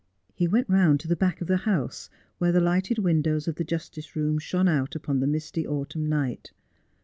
He went round to the back of the house where the lighted windows of the justice room shone out upon the misty autumn night.